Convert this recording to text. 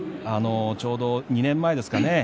ちょうど２年前ですかね